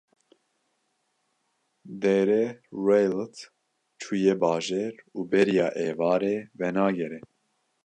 Dr. Rweylot çûye bajêr û beriya êvarê venagere.